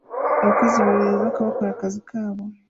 Abakozi babiri bubaka bakora akazi kabo